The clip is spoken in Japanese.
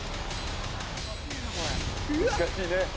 難しいね。